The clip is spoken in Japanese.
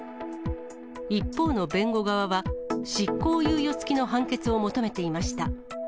一方の弁護側は、執行猶予付きの判決を求めていました。